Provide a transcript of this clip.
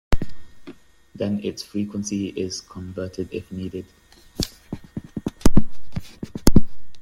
Then its frequency is converted if needed.